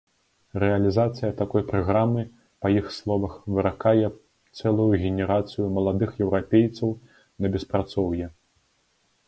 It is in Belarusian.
Рэалізацыя такой праграмы, па іх словах, выракае цэлую генерацыю маладых еўрапейцаў на беспрацоўе.